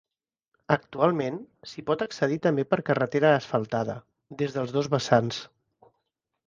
Actualment, s'hi pot accedir també per carretera asfaltada, des dels dos vessants.